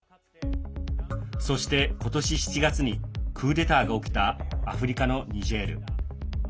そして今年７月にクーデターが起きたアフリカのニジェール。